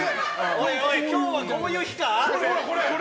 おいおい今日はこういう日か？